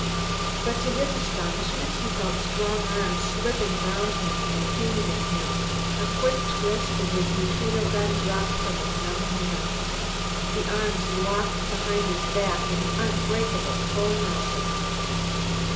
But to his astonishment he felt strong arms slipping around his and pinioning him; a quick twist and his neutrino gun dropped from his numbed hands. The arms locked behind his back in an unbreakable full nelson.